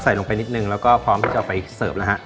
ลงไปนิดนึงแล้วก็พร้อมที่จะเอาไปเสิร์ฟแล้วฮะ